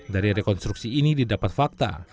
dari rekonstruksi ini didapat fakta